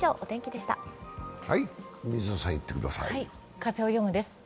「風をよむ」です。